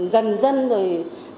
gần dân rồi